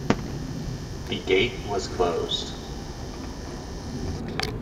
The gate was closed.